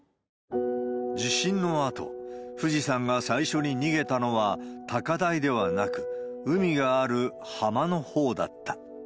地震のあと、フジさんが最初に逃げたのは高台ではなく、海がある浜のほうだった。